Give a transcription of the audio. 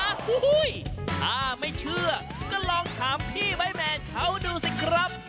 โอ้โหถ้าไม่เชื่อก็ลองถามพี่ใบแมนเขาดูสิครับ